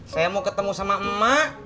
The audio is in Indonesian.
saya mau ketemu sama emak